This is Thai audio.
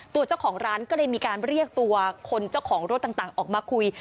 ตัวเจ้าของร้านก็เลยมีการเรียกตัวคนเจ้าของรถต่างออกมาคุย